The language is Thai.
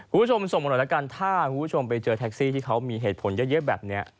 คุณผู้ชมส่งมาหน่อยแล้วกันถ้าคุณผู้ชมไปเจอแท็กซี่ที่เขามีเหตุผลเยอะแบบนี้